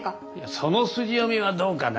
その筋読みはどうかな。